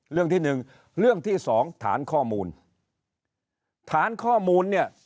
เรื่องที่หนึ่งเรื่องที่สองฐานข้อมูลฐานข้อมูลเนี่ย